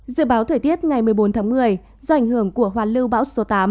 dự báo thời tiết ngày một mươi bốn tháng một mươi do ảnh hưởng của hoàn lưu bão số tám